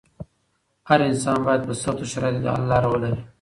هر انسان بايد په سختو شرايطو کې د حل لاره ولري.